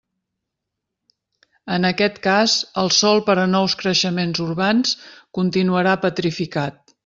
En aquest cas, el sòl per a nous creixements urbans continuarà petrificat.